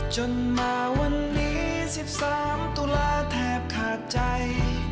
จนมาวันนี้สิบสามตุลาแทบขาดใจ